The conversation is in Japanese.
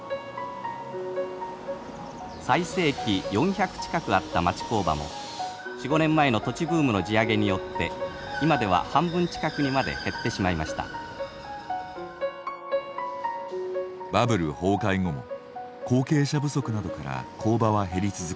最盛期４００近くあった町工場も４５年前の土地ブームの地上げによって今では半分近くにまで減ってしまいましたバブル崩壊後も後継者不足などから工場は減り続け